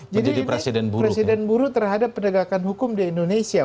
jadi presiden buruk terhadap penegakan hukum di indonesia